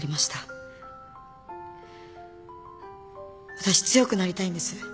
私強くなりたいんです。